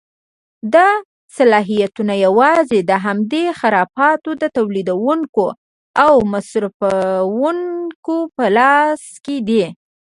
دا صلاحیت یوازې د همدې خرافاتو د تولیدوونکیو او مصرفوونکیو په لاس کې دی.